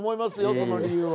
その理由は。